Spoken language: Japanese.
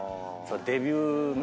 デビュー前から。